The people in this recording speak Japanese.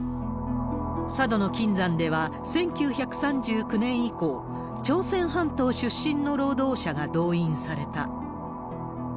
佐渡の金山では、１９３９年以降、朝鮮半島出身の労働者が動員された。